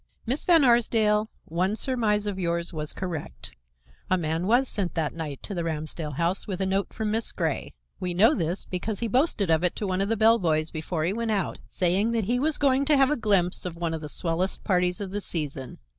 Miss Van Arsdale, one surmise of yours was correct. A man was sent that night to the Ramsdell house with a note from Miss Grey. We know this because he boasted of it to one of the bell boys before he went out, saying that he was going to have a glimpse of one of the swellest parties of the season.